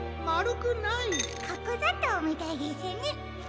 かくざとうみたいですね。